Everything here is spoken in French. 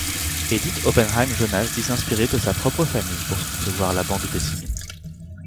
Edith Oppenheim-Jonas dit s'inspirer de sa propre famille pour concevoir la bande dessinée.